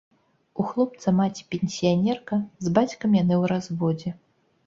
У хлопца маці-пенсіянерка, з бацькам яны ў разводзе.